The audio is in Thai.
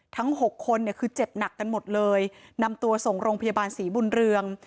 หกคนเนี่ยคือเจ็บหนักกันหมดเลยนำตัวส่งโรงพยาบาลศรีบุญเรือง